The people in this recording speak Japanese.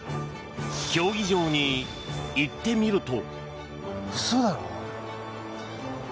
競技場に行ってみると。